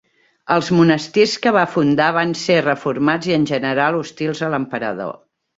Els monestirs que va fundar van ser reformats i en general hostils a l'emperador.